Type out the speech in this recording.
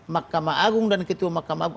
makam agung dan ketua makam agung